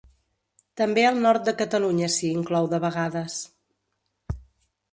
També el nord de Catalunya s'hi inclou de vegades.